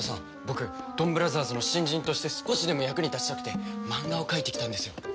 僕ドンブラザーズの新人として少しでも役に立ちたくてマンガを描いてきたんですよ。